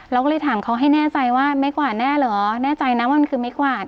เราก็เลยถามเขาให้แน่ใจว่าไม้กวาดแน่เหรอแน่ใจนะว่ามันคือไม้กวาด